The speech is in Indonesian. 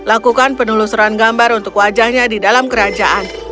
lakukan penelusuran gambar untuk wajahnya di dalam kerajaan